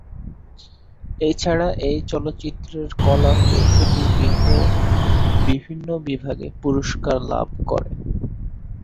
এছাড়া এই চলচ্চিত্রের কলা-কুশলীবৃন্দও বিভিন্ন বিভাগে পুরস্কার লাভ করে।